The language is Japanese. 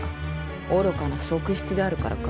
愚かな側室であるからか？